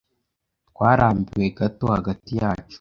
Twarambiwe gato hagati yacu.